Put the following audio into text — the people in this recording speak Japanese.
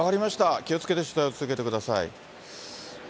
気をつけて取材を続けてください。